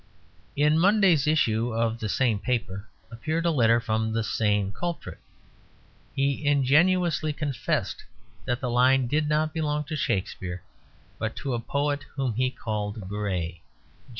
In Monday's issue of the same paper appeared a letter from the same culprit. He ingenuously confessed that the line did not belong to Shakespeare, but to a poet whom he called Grey.